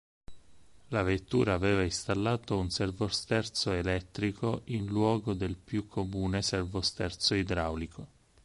La vettura aveva installato un servosterzo elettrico in luogo del più comune servosterzo idraulico.